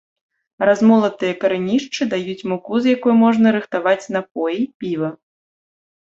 Размолатыя карэнішчы даюць муку, з якой можна рыхтаваць напоі, піва.